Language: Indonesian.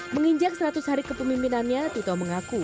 menginjak seratus hari kepemimpinannya tito mengaku